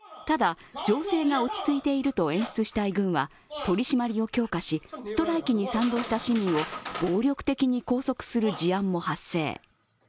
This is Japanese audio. ただ、情勢が落ち着いていると演出したい軍は取締りを強化し、ストライキに賛同した市民を暴力的に拘束する事案も発生。